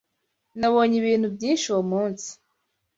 Nabonye ibintu byinshi uwo munsi.